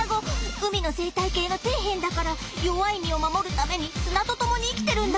海の生態系の底辺だから弱い身を守るために砂と共に生きてるんだ。